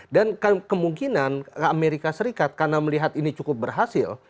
dan kemungkinan amerika serikat karena melihat ini cukup berhasil